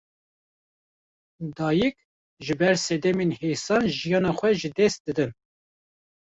Dayîk, ji ber sedemên hêsan jiyana xwe ji dest didin